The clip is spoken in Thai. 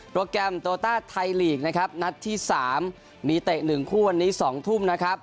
แกรมโตต้าไทยลีกนะครับนัดที่๓มีเตะ๑คู่วันนี้๒ทุ่มนะครับ